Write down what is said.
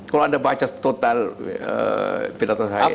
kalau anda baca total pendata saya itu